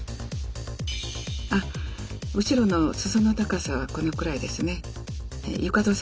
あ後ろの裾の高さはこのくらいですね。